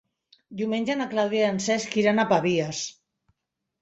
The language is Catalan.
Diumenge na Clàudia i en Cesc iran a Pavies.